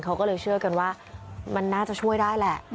เขาก็เลยเชื่อกันว่ามันน่าจะช่วยได้แหละ